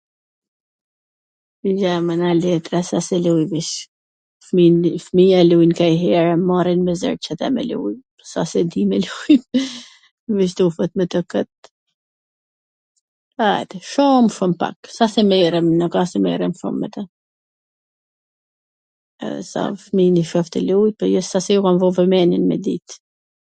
ja mana letra, s a se lujm hiC, fmij, fmija lujn nganjher, m marrin me zor qw tw mw lujn, s a se di me lujt, eeee, .... ajde, shum shum pak, s a se merrem, nuk a se merrem shum me tw, edhe sa her fmijn e shoh tu lujt, s a se e kam vu vwmendjen me dit